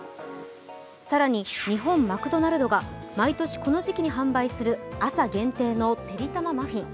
更に、日本マクドナルドが毎年この時期に販売する朝限定のてりたまマフィン。